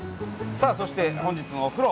さあそして本日のお風呂